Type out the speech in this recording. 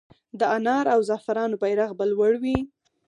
د انار او زعفرانو بیرغ به لوړ وي؟